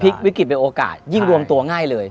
วิกฤตเป็นโอกาสยิ่งรวมตัวง่ายเลย